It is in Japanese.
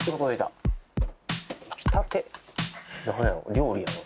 料理やろ？